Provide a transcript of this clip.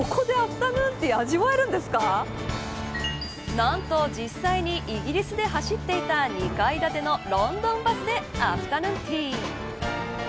なんと実際にイギリスで走っていた２階建てのロンドンバスでアフタヌーンティー。